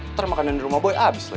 ntar makanan di rumah boy abis lagi